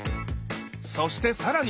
そして更に！